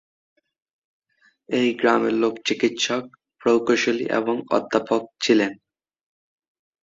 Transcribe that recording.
এই গ্রামের লোক চিকিৎসক, প্রকৌশলী এবং অধ্যাপক ছিলেন।